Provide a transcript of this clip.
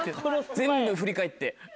全部振り返って。